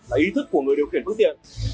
là ý thức của người điều khiển phương tiện